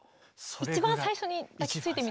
一番最初に抱きついてみては？